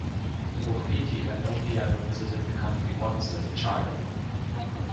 Boukpeti had only ever visited the country once, as a child.